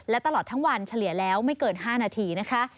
และตลอดทั้งวันเฉลี่ยแล้วไม่เกิน๕นาทีนะคะ